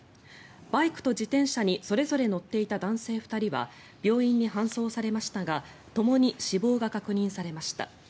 バイクと自転車にそれぞれ乗っていた男性２人は病院に搬送されましたがともに死亡が確認されました。